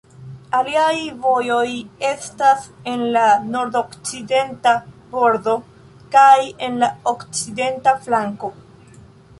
Aliaj vojoj estas en la nordokcidenta bordo kaj en la okcidenta flanko.